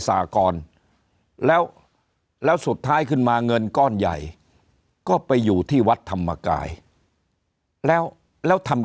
สากรแล้วแล้วสุดท้ายขึ้นมาเงินก้อนใหญ่ก็ไปอยู่ที่วัดธรรมกายแล้วแล้วทำ